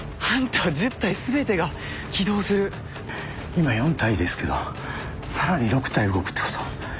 今４体ですけどさらに６体動くってこと？